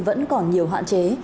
vẫn còn nhiều hạn chế